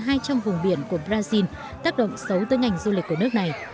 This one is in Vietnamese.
hơn hai trăm linh vùng biển của brazil tác động xấu tới ngành du lịch của nước này